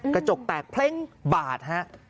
กระจกแตกเพล้งบาดฮะ